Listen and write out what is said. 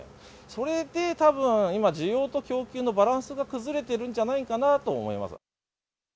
それでたぶん、今、需要と供給のバランスが崩れてるんじゃないかなと思います。